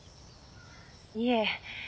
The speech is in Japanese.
いえ。